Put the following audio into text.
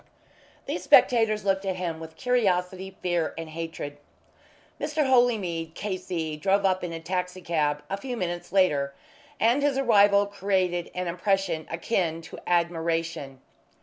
These spectators looked at him with curiosity, fear, and hatred. Mr. Holymead, K.C., drove up in a taxi cab a few minutes later, and his arrival created an impression akin to admiration.